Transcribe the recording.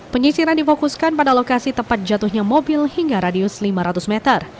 penyisiran difokuskan pada lokasi tempat jatuhnya mobil hingga radius lima ratus meter